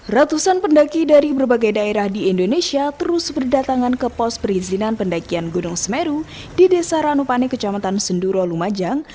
ratusan pendaki dari berbagai daerah di indonesia terus berdatangan ke pos perizinan pendakian gunung semeru di desa ranupane kecamatan senduro lumajang